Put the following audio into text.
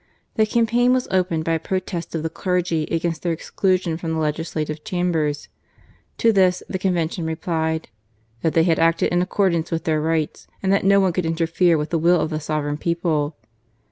The campaign was opened by a protest of the clergy against their exclusion from the legislative chambers. To this the Convention replied " that they had acted in accordance with their rights, and that no one could interfere with the will of the sovereign people."